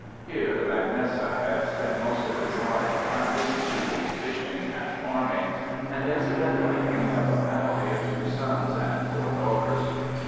Here the mac Nessa had spent most of his life, hunting, shooting, fishing, and farming, and incidentally bringing up a family of two sons and four daughters.